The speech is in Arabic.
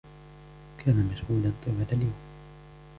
كان مشغولاً طوال اليوم.